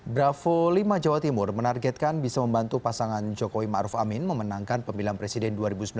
bravo lima jawa timur menargetkan bisa membantu pasangan jokowi ⁇ maruf ⁇ amin memenangkan pemilihan presiden dua ribu sembilan belas